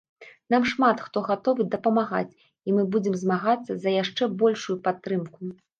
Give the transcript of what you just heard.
Нам шмат хто гатовы дапамагаць і мы будзем змагацца за яшчэ большую падтрымку.